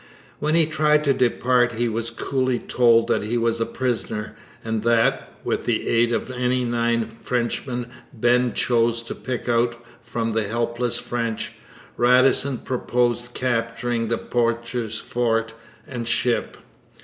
When he tried to depart he was coolly told that he was a prisoner, and that, with the aid of any nine Frenchmen Ben chose to pick out from 'the helpless French,' Radisson purposed capturing the poacher's fort and ship.